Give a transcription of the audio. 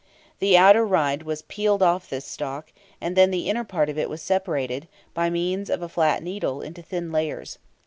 The outer rind was peeled off this stalk, and then the inner part of it was separated, by means of a flat needle, into thin layers.